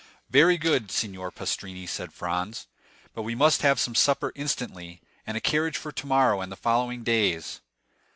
"Very good, signor Pastrini," said Franz; "but we must have some supper instantly, and a carriage for tomorrow and the following days."